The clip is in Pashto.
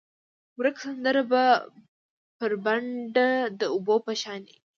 ورکه سندره به، بربنډه د اوبو په شانې،